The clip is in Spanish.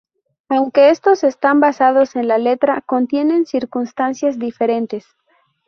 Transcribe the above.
Aunque estos están basados en la letra, contienen circunstancias diferentes.